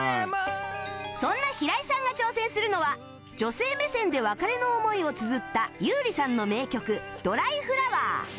そんな平井さんが挑戦するのは女性目線で別れの思いをつづった優里さんの名曲『ドライフラワー』